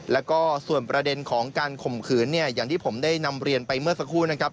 แล้วก็ส่วนประเด็นของการข่มขืนเนี่ยอย่างที่ผมได้นำเรียนไปเมื่อสักครู่นะครับ